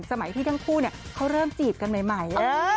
สมัยที่ทั้งคู่เขาเริ่มจีบกันใหม่